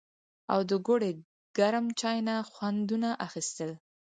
او د ګوړې ګرم چای نه خوندونه اخيستل